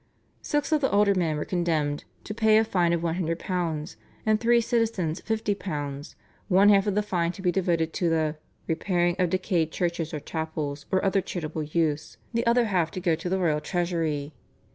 Six of the aldermen were condemned to pay a fine of £100, and three citizens £50, one half of the fine to be devoted to the "reparing of decayed churches or chapels, or other charitable use," the other half to go to the royal treasury.